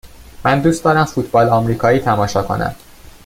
من دوست دارم فوتبال آمریکایی تماشا کنم.